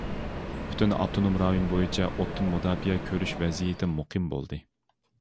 پۈتۈن ئاپتونوم رايون بويىچە ئوتتىن مۇداپىئە كۆرۈش ۋەزىيىتى مۇقىم بولدى.